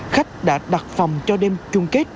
khách đã đặt phòng cho đêm chung kết